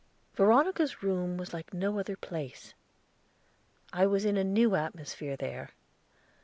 Veronica's room was like no other place. I was in a new atmosphere there.